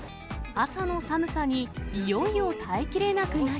朝の寒さにいよいよ耐えきれなくなり。